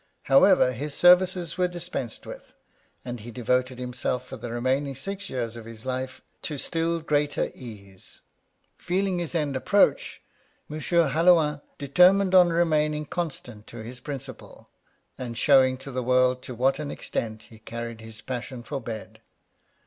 However, his services were dispensed with, and he devoted himself for the remaining six years of his life to still greater ease. Feeling his end approach, M. Halloin determined on remaining constant to his principle, and showing to the world to what an extent he carried his passion for bed.